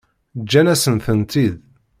Ǧǧan-asen-tent-id.